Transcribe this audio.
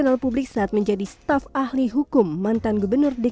mama buya jurusnya beda